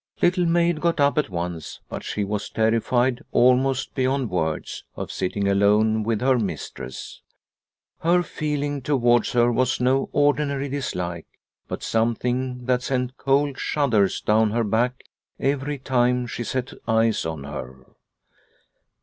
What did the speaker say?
Little Maid got up at once, but she was terrified, almost beyond words, of sitting alone with her mistress. Her feeling towards her was no or dinary dislike, but something that sent cold shudders down her back every time she set eyes on her.